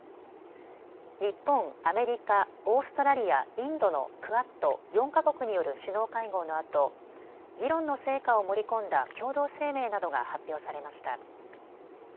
日本、アメリカ、オーストラリア、インドのクアッド・４か国による首脳会合のあと議論の成果を盛り込んだ共同声明などが発表されました。